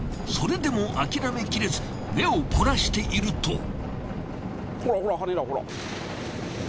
それでも諦めきれず目を凝らしていると。